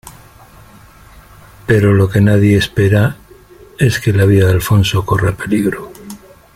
Pero lo que nadie espera es que la vida de Alphonso corra peligro.